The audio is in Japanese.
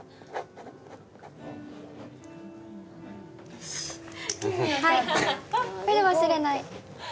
よしはいこれで忘れない。